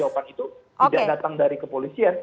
saya menyatakan bahwa jawaban itu tidak datang dari kepolisian